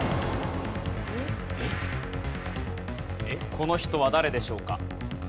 この人は誰でしょうか？